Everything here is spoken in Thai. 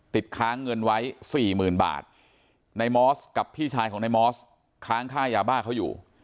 ติดค้างเงินไว้สี่หมื่นบาทในมอสกับพี่ชายของนายมอสค้างค่ายาบ้าเขาอยู่